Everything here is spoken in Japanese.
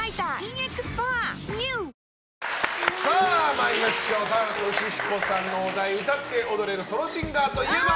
参りましょう田原俊彦さんのお題歌って踊れるソロシンガーといえば？